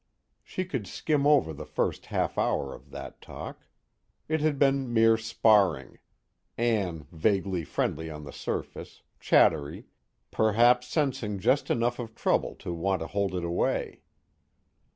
_ She could skim over the first half hour of that talk. It had been mere sparring, Ann vaguely friendly on the surface, chattery, perhaps sensing just enough of trouble to want to hold it away.